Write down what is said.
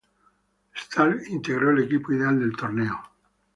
Stark integró el equipo ideal del torneo.